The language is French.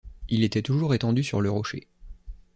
Il était toujours étendu sur le rocher.